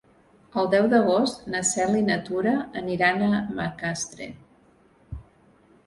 El deu d'agost na Cel i na Tura aniran a Macastre.